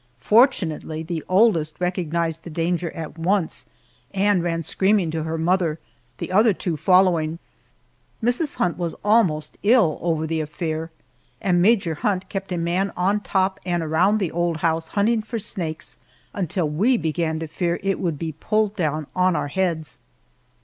Fortunately, the oldest recognized the danger at once, and ran screaming to her mother, the other two following. Mrs. Hunt was almost ill over the affair, and Major Hunt kept a man on top and around the old house hunting for snakes, until we began to fear it would be pulled down on our heads.